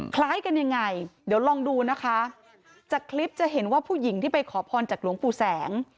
คล้ายกันยังไงเดี๋ยวลองดูนะคะจากคลิปจะเห็นว่าผู้หญิงที่ไปขอพรจากหลวงปู่แสง